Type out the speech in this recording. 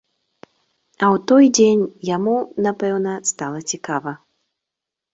А ў той дзень яму, напэўна, стала цікава.